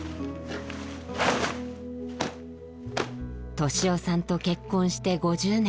利雄さんと結婚して５０年。